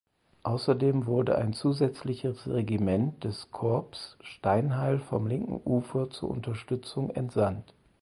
Außerdem wurde ein zusätzliches Regiment des Korps Steinheil vom linken Ufer zur Unterstützung entsandt.